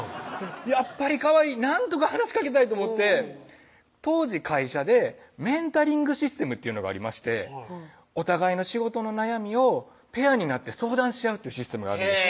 やっぱりかわいいなんとか話しかけたいと思って当時会社でメンタリングシステムというのがありましてお互いの仕事の悩みをペアになって相談し合うっていうシステムがあるんです